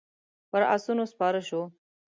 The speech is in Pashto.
پر آسونو سپاره شوو.